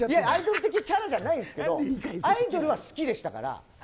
アイドル的キャラじゃないですけどアイドルは好きでしたから。